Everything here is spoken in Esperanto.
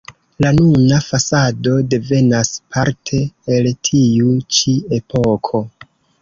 La nuna fasado devenas parte el tiu ĉi epoko.